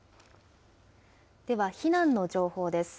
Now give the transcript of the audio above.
では避難の情報です。